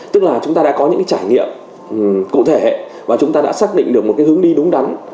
tức là chúng ta đã có những trải nghiệm cụ thể và chúng ta đã xác định được một cái hướng đi đúng đắn